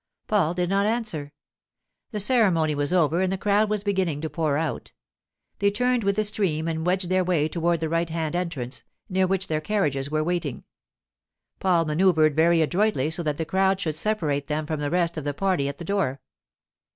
Paul did not answer. The ceremony was over and the crowd was beginning to pour out. They turned with the stream and wedged their way toward the right hand entrance, near which their carriages were waiting. Paul manœuvred very adroitly so that the crowd should separate them from the rest of the party at the door.